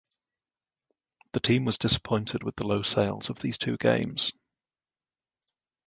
The team was disappointed with the low sales of these two games.